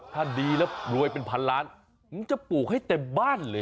ถ้าดีแล้วรวยเป็นพันล้านมึงจะปลูกให้เต็มบ้านเลย